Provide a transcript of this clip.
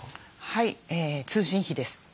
はい通信費です。